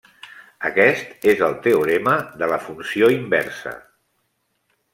Aquest és el teorema de la funció inversa.